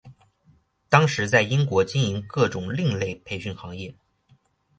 当时在英国经营各种另类培训行业。